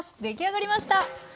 出来上がりました！